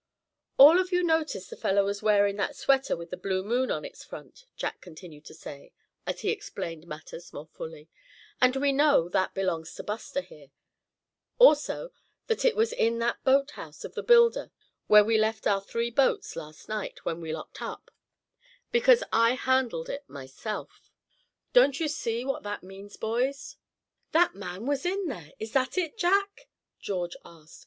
"All of you noticed the fellow was wearing that sweater with the blue moon on its front," Jack continued to say, as he explained matters more fully, "and we know that belongs to Buster here; also that it was in that boathouse of the builder where we left our three boats last night, when we locked up; because I handled it myself. Don't you see what that means, boys?" "That man was in there; is that it, Jack?" George asked.